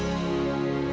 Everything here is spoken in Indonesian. terima kasih pak